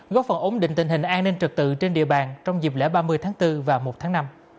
góp phần ổn định tình hình an ninh trực tự trên địa bàn trong dịp lễ ba mươi tháng bốn và một tháng năm